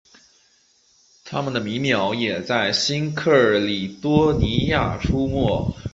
它们的迷鸟也有在新喀里多尼亚出没。